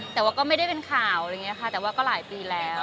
แต่ว่าก็ไม่ได้เป็นข่าวแต่ว่าก็หลายปีแล้ว